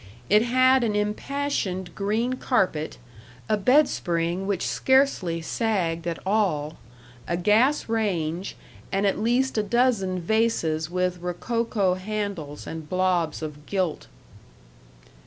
It had an impassioned green carpet, a bedspring which scarcely sagged at all, a gas range, and at least a dozen vases with rococo handles and blobs of gilt.